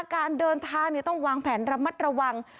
การเดินทางต้องวางแผนระมัดระวัง